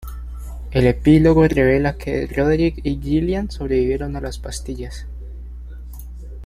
El epílogo revela que Roderick y Gillian sobrevivieron a las pastillas.